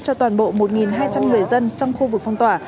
cho toàn bộ một hai trăm linh người dân trong khu vực phong tỏa